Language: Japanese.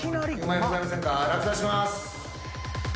落札します。